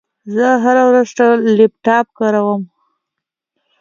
زه هره ورځ لپټاپ کاروم.